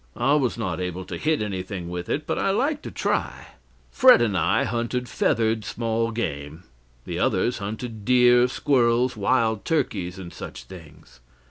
I was not able to hit anything with it, but I liked to try. Fred and I hunted feathered small game, the others hunted deer, squirrels, wild turkeys, and such things.